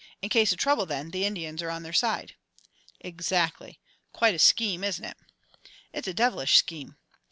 "In case of trouble, then, the Indians are on their side." "Exactly. Quite a scheme, isn't it?" "It's a devilish scheme!"